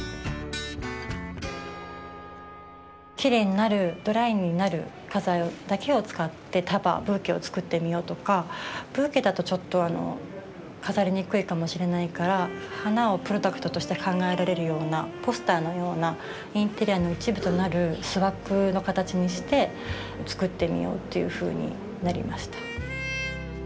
きれいになるドライになる花材だけを使って束ブーケを作ってみようとかブーケだとちょっと飾りにくいかもしれないから花をプロダクトとして考えられるようなポスターのようなインテリアの一部となるスワッグの形にして作ってみようというふうになりました。